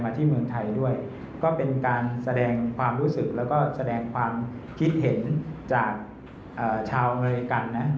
ที่เมืองไทยด้วยก็เป็นการแสดงความรู้สึกแล้วก็แสดงความคิดเห็นจากชาวอเมริกันนะ